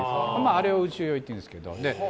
あれを宇宙酔いっていうんですけど。